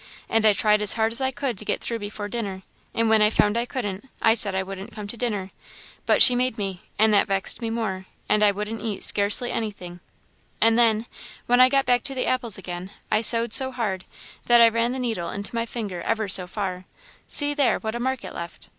And I tried as hard as I could to get through before dinner, and when I found I couldn't, I said I wouldn't come to dinner; but she made me, and that vexed me more, and I wouldn't eat scarcely anything, and then, when I got back to the apples again, I sewed so hard, that I ran the needle into my finger ever so far see there, what a mark it left!